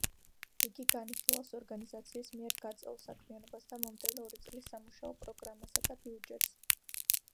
იგი განიხილავს ორგანიზაციის მიერ გაწეულ საქმიანობას და მომდევნო ორი წლის სამუშაო პროგრამასა და ბიუჯეტს.